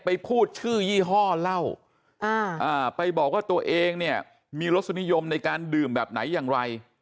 ไปพูดชื่อยี่ห้อเหล้าไปบอกว่าตัวเองเนี่ยมีรสนิยมในการดื่มแบบไหนอย่างไร